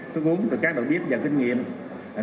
thức uống từ các đội bếp và kinh nghiệm